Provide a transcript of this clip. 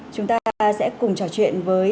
chúng ta sẽ cùng trò chuyện với